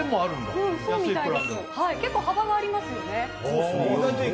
結構幅はありますよね。